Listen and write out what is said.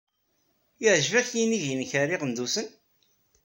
Iɛǧeb-ak yinig-inek ar Iɣendusen?